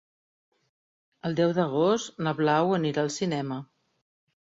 El deu d'agost na Blau anirà al cinema.